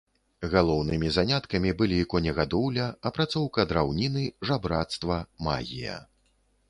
Галоўнымі заняткамі былі конегадоўля, апрацоўка драўніны, жабрацтва, магія.